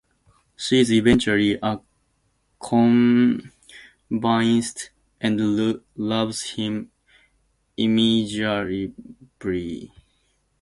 She is eventually convinced and loves him immeasurably.